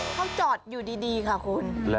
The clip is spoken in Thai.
เขาจอดอยู่ดีค่ะคุณ